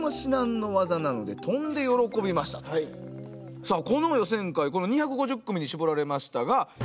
さあこの予選会この２５０組に絞られましたがうわ厳しい。